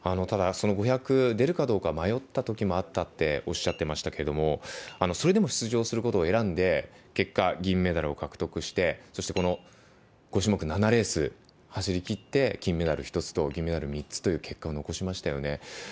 ただ、その５００出るかどうか迷ったときもあったっておっしゃってましたけどそれでも出場することを選んで結果、銀メダルを獲得してそして、この５種目７レース走り切って金メダル１つと、銀メダル３つという結果を残しましたよね。